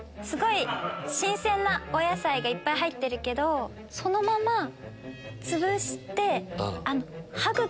すごい新鮮なお野菜がいっぱい入ってるけどそのまま。